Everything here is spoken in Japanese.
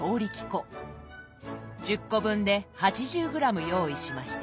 １０個分で８０グラム用意しました。